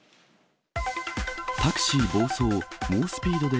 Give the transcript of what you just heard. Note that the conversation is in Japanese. タクシー暴走、猛スピードで。